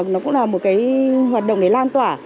nó cũng là một hoạt động để lan tỏa